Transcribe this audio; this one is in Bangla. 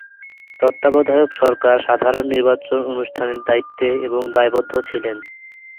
তত্ত্বাবধায়ক সরকার সাধারণ নির্বাচন অনুষ্ঠানের দায়িত্বে এবং দায়বদ্ধ ছিলেন।